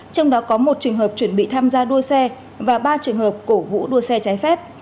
trong đó có một trường hợp chuẩn bị tham gia đua xe và ba trường hợp cổ vũ đua xe trái phép